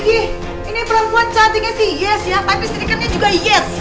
ih ini perempuan cantiknya sih yes ya tapi strikernya juga yes